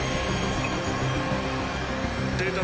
データ